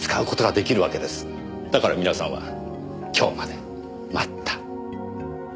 だから皆さんは今日まで待った。